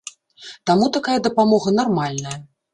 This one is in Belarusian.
Таму такая дапамога нармальная.